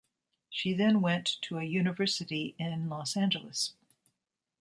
She then went to a university in Los Angeles.